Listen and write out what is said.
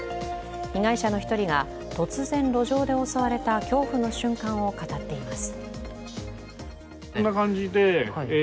被害者の１人が、突然路上で襲われた恐怖の瞬間を語っています。